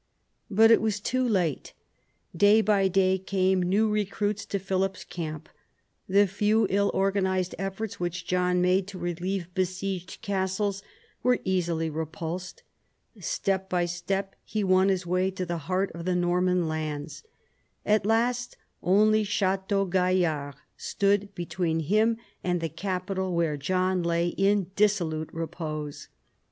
But it was too late. Day by day came new recruits to Philip's camp. The few ill organised efforts which John made to relieve besieged castles were easily repulsed. Step by step he won his way to the heart of the Norman lands. At last only Chateau Gaillard stood between him and the capital where John lay in dissolute repose.